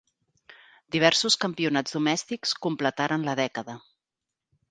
Diversos campionats domèstics completaren la dècada.